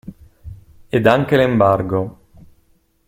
Ed anche l'embargo.